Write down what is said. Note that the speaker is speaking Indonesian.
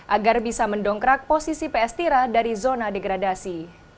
agar bisa mendongkrak posisi ps tira dari zona degradasi